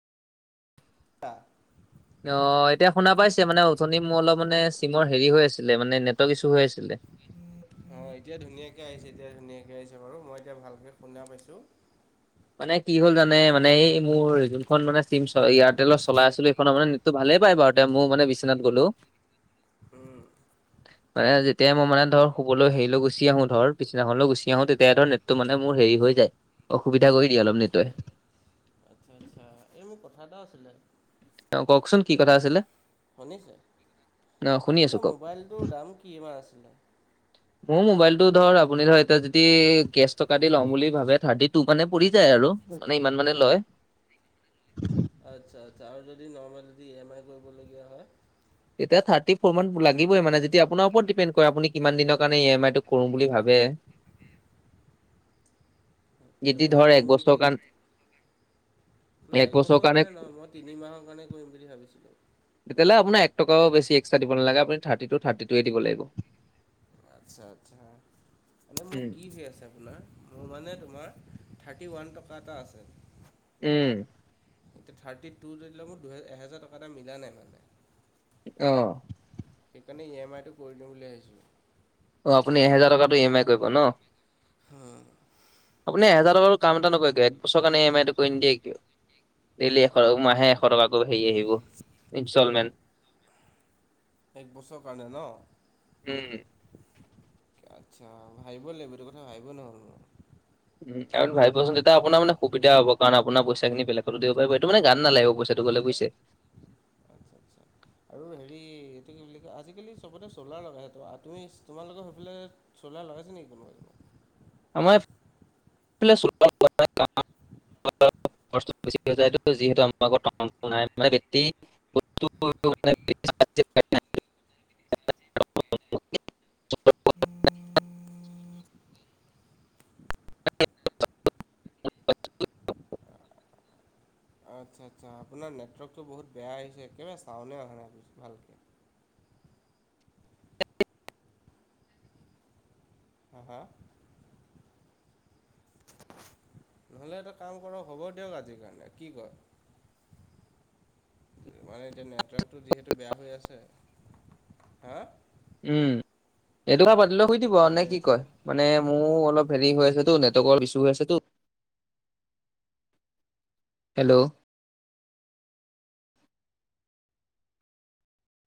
[unintelligible] অ, এতিয়া শুনা পাইছে মানে উঠনি মোৰ অলপ মানে চিমৰ হেৰি হৈ আছিলে মানে নেটৱৰ্ক ইছো হৈ আছিলে। অ' এতিয়া ধুনীয়াকে আহিছে এতিয়া ধুনীয়াকে আহিছে বাৰু মই এতিয়া ভালকে শুনা পাইছোঁ। মানে কি হ'ল জানে মানে এই মোৰ যোনখন মানে চিম এয়াৰটেলৰ চলাই আছিলো এইখনৰ ভালেই পাই বাৰু তে মোৰ মানে বিশ্বনাথ গ'লো। উম। মানে যেতিয়া মই মানে ধৰ শুবলৈ হেৰিলৈ গুচি আহো ধৰ পিছদিনাখনলৈ গুচি আহো তেতিাই ধৰ তটো মানে মোৰ হেৰি হৈ যায় অসুবিধা কৰি দিয়ে অলপ নেতে। আচ্ছা আচ্ছা এই মোৰ কথা এটা আছিলে অ' কওকচোন কি কথা আছিলে? শুনিছে অ শুনি আছো আপোনাৰ কওক। মোবাইলটোৰ দাম কিমান আছিলে? মোৰ মবাইলটো ধৰ আপুনি ধৰ এতিয়া যদি কেচ টকা দি লম বুলি ভাবে থাৰ্টি টু মানে পৰি যায় আৰু। মানে ইমান মানে লয়। আচ্ছা-আচ্ছা আৰু যদি নৰ্মেল যদি ই এম আই কৰিবলগীয়া হয়? তেতিয়া থাৰ্টি ফোৰ মান লাগিবয়ে মানে যেতিয়া আপোনাৰ ওপৰত ডিপেণ্ড কৰে আপুনি কিমান দিনৰ কাৰণে ইএমআই টো কৰিম বুলি ভাবে। [unintelligible] আচ্ছা যদি ধৰ মানে এক মোৰ বছৰ ইতিয়া কাৰণ নাই এক বছৰৰ একবছৰৰ কাৰণে নহয় মই তিনি মাহৰ কাৰণে কৰিম বুলি ভাবিছিলো। তেতিয়াহলে আপোনাৰ একটকাউ বেছি এক্সট্ৰ দিব নালাগে আপুনি থাৰ্টিটু থাৰ্টিটুয়ে দিব লাগিব। আচ্ছা-আচ্ছা এনে মোক উম, কি হয় আছে [unintelligible] মোৰ মানে তোমাৰ থাৰ্টি ওৱান টকা এটা আছে। উম। এতিয়া থাৰ্টি টু যদি [unintelligible] মোৰ দুই এহেজাৰ টকা এটা মিলা নাই মানে। অ'। সেইকাৰণে ইএমআই টো কৰি দিম বুলি ভাবিছিলোঁ। অ' আপুনি এহেজাৰটকা টো ইএমমাই কৰিব ন? হা। আপুনি এহাজাৰ টকাটো কাম এটা নকৰে কিয় এক বছৰ কাৰণে এম আইটো কৰি নিদিয়ে কিয়। ডেইলি এশ মাহে এশ টকাকৈ হেৰি আহিব ইনষ্টলমেণ্ট। এক বছৰ কাৰণে ন? উম, আচ্ছা ভাবিবই লাগিব এইটো কথা ভাবিব নহ'ল মোৰ। উম, আৰু ভাবিবচোন তেতিয়া আপোনাৰ মানে সুবিধা হব কাৰন আপোনাৰ পইচাখিনি বেলেগটো দিব পাৰিব এটো মানে গাট নালাগিব পইচা [unintelligible] [unintelligible] আচ্ছা-আচ্ছা। আৰু হেৰি এইটো কি বুলি কয় আজিকালি চবতে চ'লাৰ লগায় সেইটো আৰু তুমি তোমালোকৰ সেইফালেই চ'লাৰ লগাইছে নেকি কোনোবাই আমাৰ [unintelligible] [unintelligible] বেছি হৈ যায়ো যিহেতু আমাৰ। [unintelligible] বস মানে [unintelligible] [inaudible] আচ্ছা আচ্ছা আপোনাৰ নেটৱৰ্কটো বহুত বেয়া আহিছে একেবাৰে চাওঁনে অহা নাই ভালকে হা, হা নহ'লে এটা কাম কৰক হ'ব দিয়ক আজিৰ কাৰণে কি কয়? মানে এতিয়া নেটৱৰ্কটো যিহেতু বেয়া হৈ আছে হা উম এইটো কথা পাতিলে শুই দিব আৰু নে হা কি কয় মানে মোৰো অলপ হেৰি হৈ আছে তো নেটৱৰ্কৰ ইছ্যু হৈ আছেতো, হেল্ল'